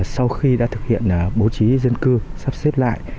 sau khi đã thực hiện bố trí dân cư sắp xếp lại